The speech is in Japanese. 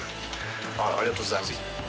ありがとうございます。